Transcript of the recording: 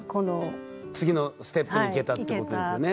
次のステップにいけたってことですよね。